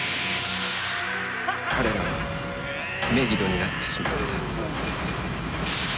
彼らはメギドになってしまった。